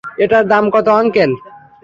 এটার দাম কত আংকেল?